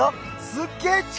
すっげえ力。